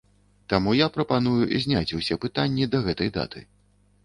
Таму я прапаную зняць усе пытанні да гэтай даты.